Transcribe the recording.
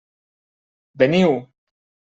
Veniu!